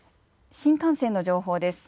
新幹線の情報です。